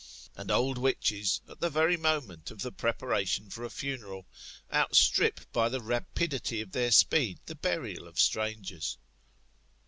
And old witches, at the very moment of the preparation for a funeral, outstrip by the rapidity of their speed the burial of strangers.